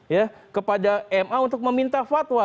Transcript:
ya kepada ma untuk meminta fatwa